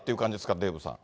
デーブさん。